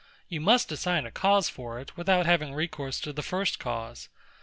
You must assign a cause for it, without having recourse to the first cause.